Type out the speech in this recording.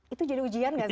itu jadi ujian ga sih